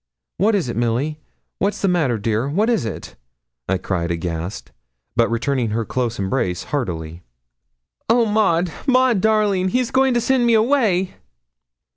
'What is it, Milly what's the matter, dear what is it?' I cried aghast, but returning her close embrace heartily. 'Oh! Maud Maud darling, he's going to send me away.'